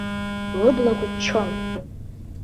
Лыблақәа ччон.